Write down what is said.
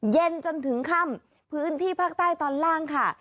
เย็นจนถึงค่ำพื้นที่ภาคใต้ตอนล่างค่ะ